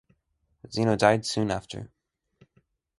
Xeno died soon after.